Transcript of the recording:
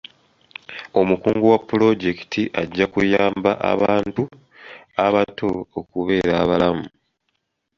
Omukungu wa pulojekiti ajja kuyamba abantu abato okubeera abalamu.